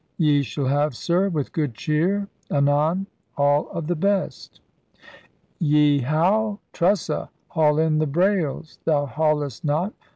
Ye shall have. Sir, with good cheer, Anon all of the best. Y howe! Trussa! Haul in the brailes ! Thou haulest not!